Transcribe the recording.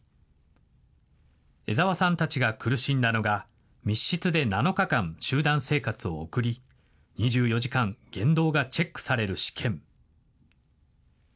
江澤さんたちが苦しんだのが、密室で７日間、集団生活を送り、２４時間、言動がチェックされる試験。